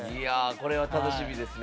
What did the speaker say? これは楽しみですね。